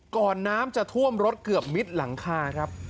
น้ำจะท่วมรถเกือบมิดหลังคาครับ